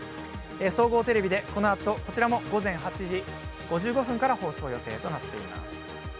総合テレビで、このあとこちらも午前８時５５分から放送予定となっています。